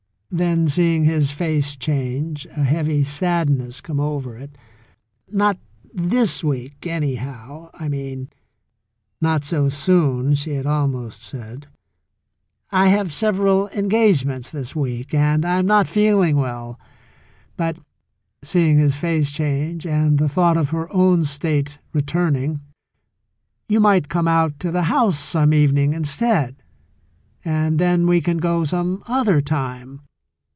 Then seeing his face change, a heavy sadness come over it, "Not this week, anyhow, I mean" ("Not so soon,'* she had almost said). "I have sev eral engagements this week and I'm not feeling well. But" — seeing his face change, and the thought of her own state returning — "you might come out to the house some evening instead, and then we can go some other time."